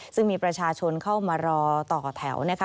ซึ่งมีประชาชนเข้ามารอต่อแถว